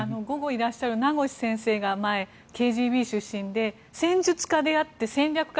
午後にいらっしゃる名越先生が前、ＫＧＢ出身で戦術家であって戦略